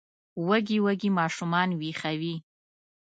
وږي وږي ماشومان ویښوي